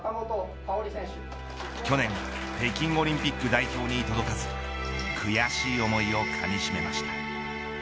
去年北京オリンピック代表に届かず悔しい思いをかみ締めました。